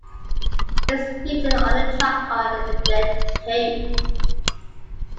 He is featured on a track on the Get Cape.